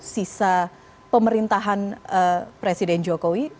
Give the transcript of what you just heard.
sisa pemerintahan presiden jokowi